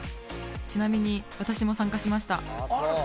ちなみに、私も参加しました。